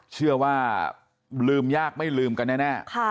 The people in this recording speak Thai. เชื่อว่าลืมยากไม่ลืมกันแน่